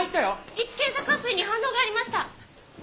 位置検索アプリに反応がありました！